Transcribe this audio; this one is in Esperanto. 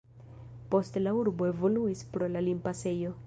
Poste la urbo evoluis pro la limpasejo.